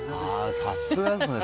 さすがですね。